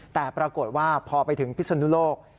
แต่ปรากฏว่าพอไปถึงพิศนุโลก